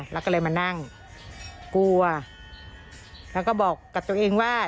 แล้วก็เลยมานั่งกลัวแล้วก็บอกกับตัวเองว่า